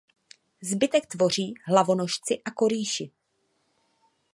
Zbytek tvoří hlavonožci a korýši.